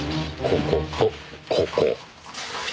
こことここ。